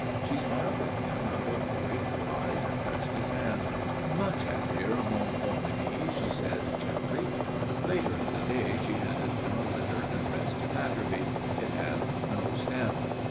She smiled at him out of grateful eyes, and touched his hand. "Much happier, mon bon ami," she said, gently. Later in the day she handed him a letter addressed to Batterby. It had no stamp.